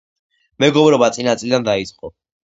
მეგობრობა წინა წლიდან დაიწყო.